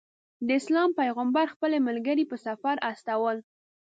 د اسلام پیغمبر خپل ملګري په سفر استول.